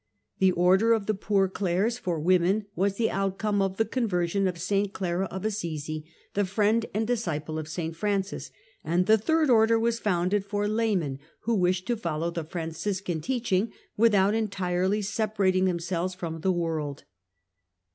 The Order of the "Poor Clares" for women was the out come of the conversion of St Clara of Assisi, the friend and disciple of St Francis, and the *' Third Order " was founded for laymen who wished to follow the Franciscan teaching without entirely separating themselves from the world.